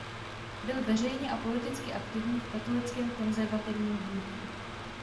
Byl veřejně a politicky aktivní v katolickém konzervativním hnutí.